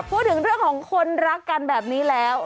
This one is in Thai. พูดถึงเรื่องของคนรักกันแบบนี้แล้ว